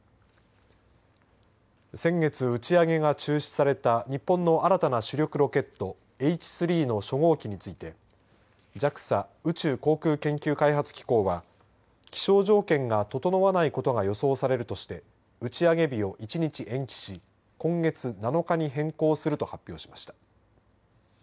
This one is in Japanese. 先月打ち上げが中止された日本の新たな主力ロケットＨ３の初号機についてＪＡＸＡ＝宇宙航空研究開発機構は気象条件が整わないことが予想されるとして打ち上げ日を１日延期し今月７日に変更すると発表しました。